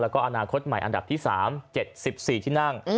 แล้วก็อนาคตใหม่อันดับที่๓๗๔ที่นั่ง